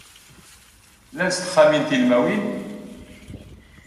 Llant texxamin tilmawin?